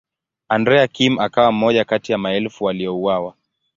Andrea Kim akawa mmoja kati ya maelfu waliouawa.